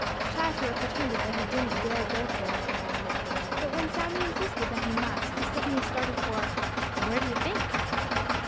Chatterer pretended that he didn't dare go for it, but when Sammy insisted that he must, he suddenly started for—where do you think?